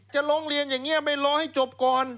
ร้องเรียนอย่างนี้ไม่รอให้จบก่อน